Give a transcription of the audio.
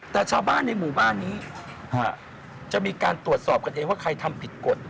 แต่ชาวบ้านในหมู่บ้านนี้จะมีการตรวจสอบกันเองว่าใครทำผิดกฎ